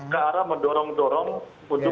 ke arah mendorong dorong untuk